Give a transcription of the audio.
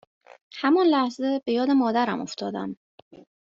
همان لحظه به یاد مادرم افتادم